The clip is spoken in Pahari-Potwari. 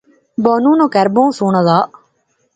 بانو نا کہر بہوں سوہنا زا